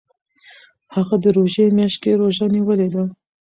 هغه د روژې میاشت کې روژه نیولې ده.